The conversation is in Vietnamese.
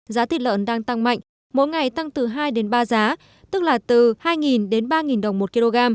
giá thịt lợn đang tăng mạnh mỗi ngày tăng từ hai đến ba giá tức là từ hai đến ba đồng một kg